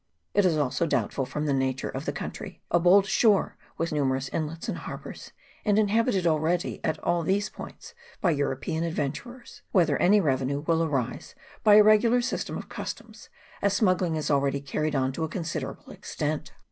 It is also doubtful, from the nature of the coun try a bold shore with numerous inlets and har bours, and inhabited already at all these points by European adventurers whether any revenue will arise by a regular system of customs, as smuggling is already carried on to a considerable extent.